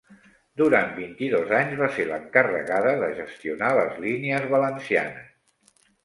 Durant vint-i-dos anys va ser l'encarregada de gestionar les línies valencianes.